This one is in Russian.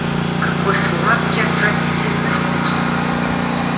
Какой сладкий отвратительный вкус!